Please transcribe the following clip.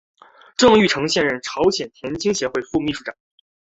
郑成玉现任朝鲜田径协会副秘书长。